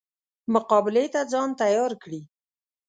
مقابلې ته ځان تیار کړي.